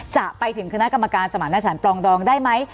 จะไปถึงคณะกรรมการสมันต์หน้าศาลปลองดองได้ไหม